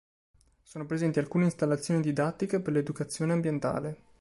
Sono presenti alcune installazioni didattiche per l'educazione ambientale.